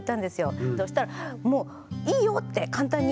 そしたらもう「いいよ」って簡単に。